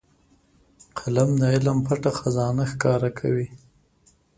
قلم د علم پټ خزانه ښکاره کوي